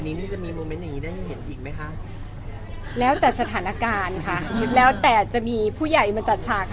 อเรนนี่มีมุมเม้นท์อย่างนี้ได้เห็นอีกไหมคะแล้วแต่สถานการณ์ค่ะแล้วแต่สถานการณ์ค่ะแล้วแต่สถานการณ์ค่ะ